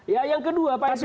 ya yang kedua pak esmin